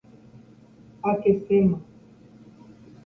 Akeséma.